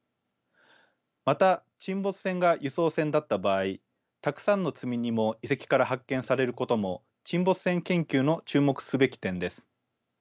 また沈没船が輸送船だった場合たくさんの積み荷も遺跡から発見されることも沈没船研究の注目すべき点です。